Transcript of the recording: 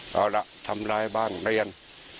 เอาละทำร้ายบ้างได้ยัง